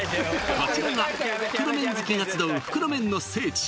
こちらが袋麺好きが集う袋麺の聖地